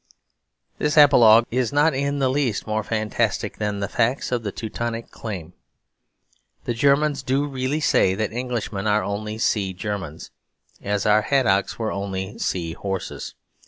This apologue is not in the least more fantastic than the facts of the Teutonic claim. The Germans do really say that Englishmen are only Sea Germans, as our haddocks were only sea horses.